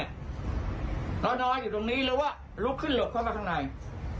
เรานอนอยู่ตรงนี้หรือว่าลุกขึ้นหลบเข้ามาข้างใน